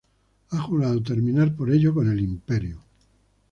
Ha jurado terminar por ello con el Imperio.